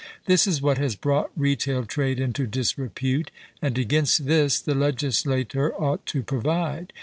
This is what has brought retail trade into disrepute, and against this the legislator ought to provide.